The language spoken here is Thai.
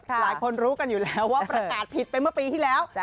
หลายคนรู้กันอยู่แล้วว่าประกาศผิดไปเมื่อปีที่แล้ว